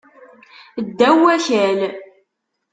Ddaw wakal.